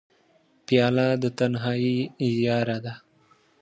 پیاله د تنهایۍ یاره ده.